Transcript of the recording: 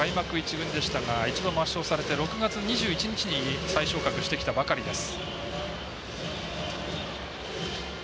福は開幕１軍でしたが一度抹消されて６月２１日に再昇格してきたばかりです。